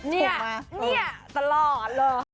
เนี่ยตลอดหรอ